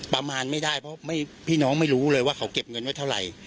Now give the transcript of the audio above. ประมาณไม่ได้เพราะพี่น้องไม่รู้เลยว่าเขาเก็บเงินไว้เท่าไหร่